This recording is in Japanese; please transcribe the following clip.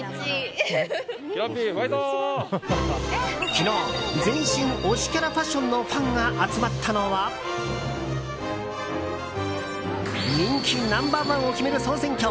昨日全身推しキャラファッションのファンが集まったのは人気ナンバー１を決める総選挙